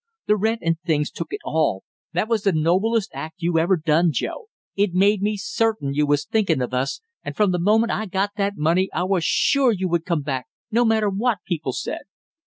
"The rent and things took it all. That was the noblest act you ever done, Joe; it made me certain you was thinkin' of us, and from the moment I got that money I was sure you would come back no matter what people said!"